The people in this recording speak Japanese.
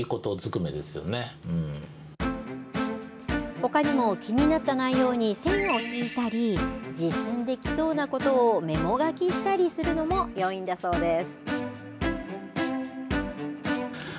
ほかにも気になった内容に線を引いたり、実践できそうなことをメモ書きしたりするのもよいんだそうです。